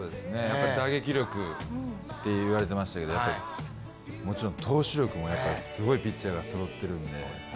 打撃力と言われてましたけどももちろん投手力もすごいピッチャーがそろってるんで。